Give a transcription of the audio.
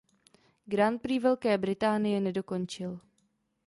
Grand Prix Velké Británie nedokončil.